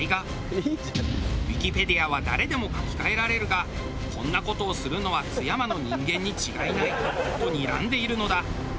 ウィキペディアは誰でも書き換えられるがこんな事をするのは津山の人間に違いないとにらんでいるのだ。